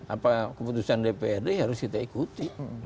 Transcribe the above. apa keputusan dprd harus kita ikuti